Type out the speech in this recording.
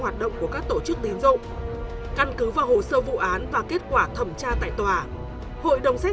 hoạt động của các tổ chức tín dụng căn cứ vào hồ sơ vụ án và kết quả thẩm tra tại tòa hội đồng xét